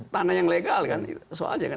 tanah yang legal kan